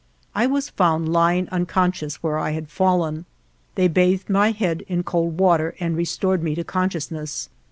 I was found lying unconscious where I had fallen. They bathed my head in cold water and restored me to consciousness.